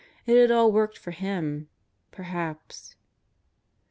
It had all worked for him. Perhaps